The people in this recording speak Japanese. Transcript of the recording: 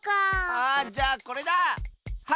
あじゃあこれだ！